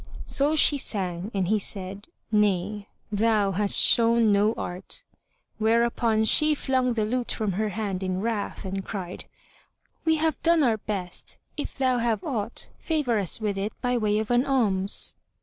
So she sang and he said, "Nay, thou hast shown no art." Whereupon she flung the lute from her hand in wrath and cried, "We have done our best: if thou have aught, favour us with it by way of an alms."